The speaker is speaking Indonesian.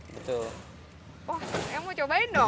oh saya mau cobain dong